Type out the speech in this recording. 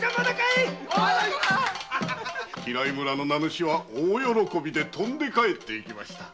平井村の名主は大喜びで帰って行きました。